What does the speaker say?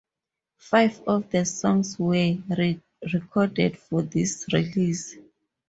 Five of the songs were re-recorded for this release.